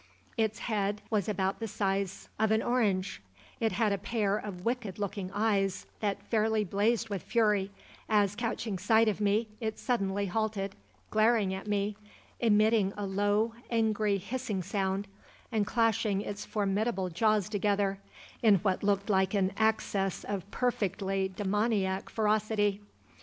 Its head was about the size of an orange; it had a pair of wicked looking eyes that fairly blazed with fury as, catching sight of me, it suddenly halted, glaring at me, emitting a low, angry, hissing sound, and clashing its formidable jaws together in what looked like an access of perfectly demoniac ferocity.